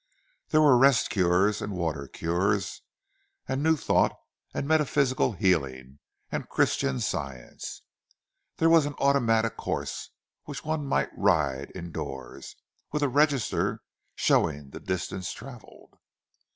There were "rest cures" and "water cures," "new thought" and "metaphysical healing" and "Christian Science"; there was an automatic horse, which one might ride indoors, with a register showing the distance travelled.